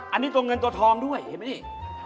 อันนี้ตัวเงินตัวทองด้วยเห็นไหมนี่